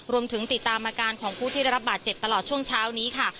รวมถึงติดตามอาการของผู้ที่ได้รับบาดเจ็บตลอดช่วงเช้านี้ค่ะ